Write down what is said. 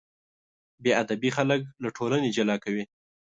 بېادبي خلک له ټولنې جلا کوي.